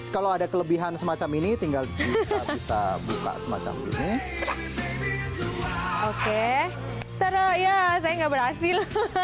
kalau ada kelebihan semacam ini tinggal bisa buka semacam ini oke taruh ya saya nggak berhasil